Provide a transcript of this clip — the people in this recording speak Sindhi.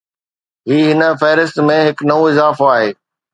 هي هن فهرست ۾ هڪ نئون اضافو آهي